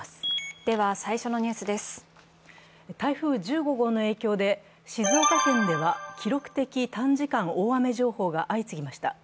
台風１５号の影響で静岡県では、記録的短時間大雨情報が相次ぎました。